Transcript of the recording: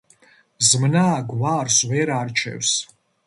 ზმნა გვარს ვერ არჩევს.